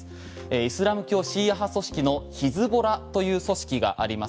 イスラム教シーア派組織のヒズボラという組織があります。